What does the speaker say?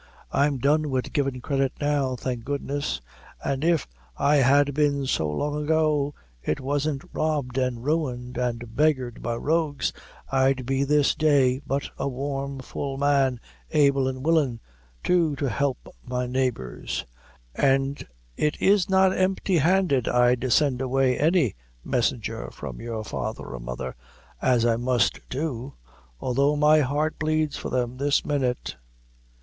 I'm done wid givin' credit now, thank goodness; an' if I had been so long ago, it isn't robbed, and ruined, an' beggared by rogues I'd be this day, but a warm, full man, able and willin' too to help my neighbors; an' it is not empty handed I'd send away any messenger from your father or mother, as I must do, although my heart bleeds for them this minute."